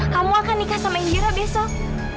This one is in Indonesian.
kamu akan nikah sama injera besok